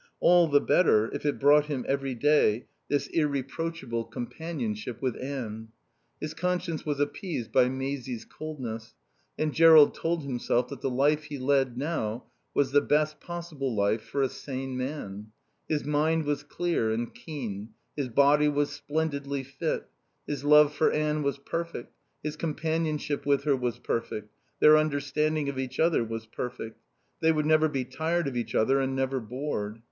All the better if it brought him every day this irreproachable companionship with Anne. His conscience was appeased by Maisie's coldness, and Jerrold told himself that the life he led now was the best possible life for a sane man. His mind was clear and keen; his body was splendidly fit; his love for Anne was perfect, his companionship with her was perfect, their understanding of each other was perfect. They would never be tired of each other and never bored.